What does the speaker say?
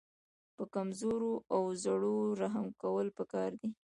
په کمزورو او زړو رحم کول پکار دي.